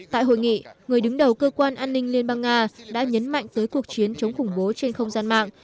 tại hội nghị người đứng đầu cơ quan an ninh liên bang nga đã nhấn mạnh tới cuộc chiến chống khủng bố trên không gian mạng